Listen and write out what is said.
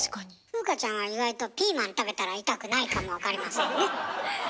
風花ちゃんは意外とピーマン食べたら痛くないかもわかりませんね。